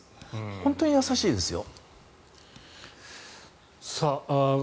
本当に優しいですよ。